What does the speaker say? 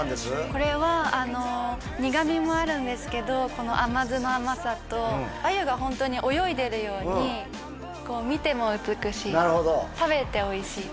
これは苦みもあるんですけどこの甘酢の甘さと鮎がホントに泳いでるように見ても美しいなるほど食べておいしい